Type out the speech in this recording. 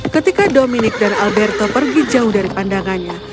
ketika dominic dan alberto pergi jauh dari pandangannya